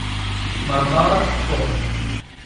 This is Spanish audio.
Margall, Ruf.